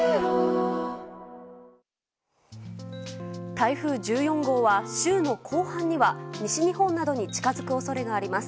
台風１４号は、週の後半には西日本などに近づく恐れがあります。